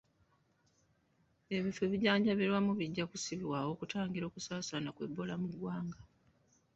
Ebifo ebijjanjabirwamu bijja kussibwawo okutangira okusaasaana kwa Ebola mu ggwanga.